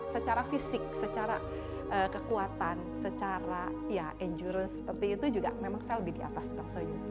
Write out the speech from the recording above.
secara fisik secara kekuatan secara ya endurance seperti itu juga memang saya lebih di atas soyun